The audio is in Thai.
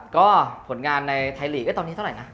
ก็ผลงานในไทยลีกตอนนี้เท่าไหร่นะ